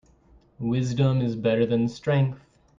Wisdom is better than strength.